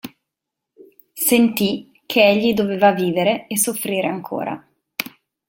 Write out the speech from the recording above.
Sentì che egli doveva vivere e soffrire ancora.